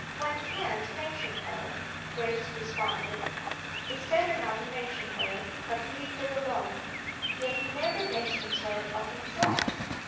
One can't mention her!" Grace responded. "It's better not to mention her, but to leave it alone." "Yet he never mentions her of himself."